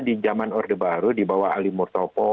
di zaman orde baru dibawa ali murtopo